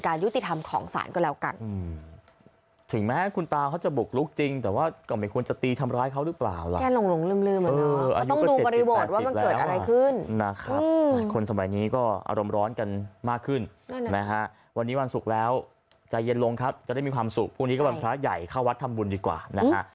ก็ต้องดูกระบวนว่ามันเกิดอะไรขึ้นหลายคนสมัยนี้ก็อารมณ์ร้อนกันมากขึ้นนะฮะวันนี้วันศุกร์แล้วใจเย็นลงครับจะได้มีความสุขพรุ่งนี้ก็เป็นพระพระใหญ่เข้าวัดทำบุญดีกว่านะฮะ